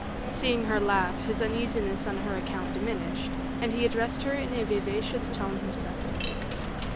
Seeing her laugh, his uneasiness on her account diminished, and he addressed her in a vivacious tone himself.